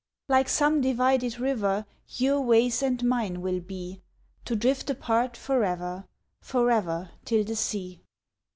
Like some divided river Your ways and mine will be, To drift apart for ever, For ever till the sea.